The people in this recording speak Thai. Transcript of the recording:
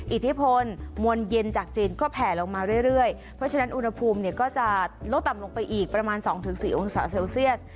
อิทธิพลมวลเย็นจากจีนก็แผลลงมาเรื่อยเพราะฉะนั้นอุณหภูมิเนี่ยก็จะลดต่ำลงไปอีกประมาณ๒๔องศาเซลเซียส